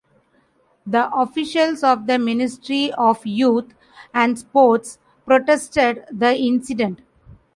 The officials of the Ministry of Youth and Sports protested the incident.